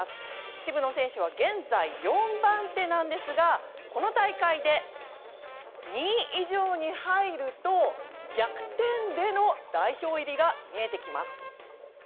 渋野選手は現在４番手なんですがこの大会で２位以上に入ると逆転での代表入りが見えてきます。